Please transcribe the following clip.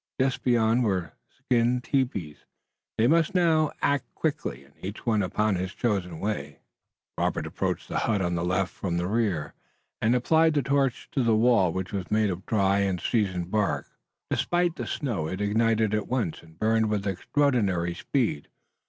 Just beyond were skin tepees. They must now act quickly, and each went upon his chosen way. Robert approached the hut on the left from the rear, and applied the torch to the wall which was made of dry and seasoned bark. Despite the snow, it ignited at once and burned with extraordinary speed.